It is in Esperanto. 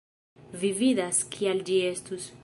Vi vidas kial ĝi estus